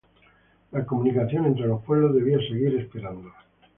La comunicación entre los pueblos debía seguir esperando.